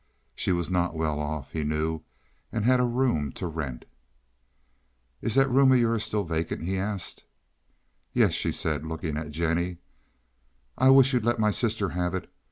She was not well off, he knew, and had a room to rent. "Is that room of yours still vacant?" he asked. "Yes," she said, looking at Jennie. "I wish you'd let my sister have it.